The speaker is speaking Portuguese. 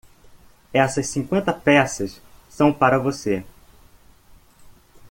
Essas cinquenta peças são para você.